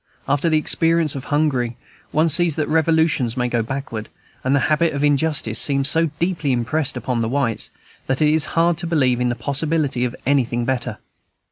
After the experience of Hungary, one sees that revolutions may go backward; and the habit of injustice seems so deeply impressed upon the whites, that it is hard to believe in the possibility of anything better.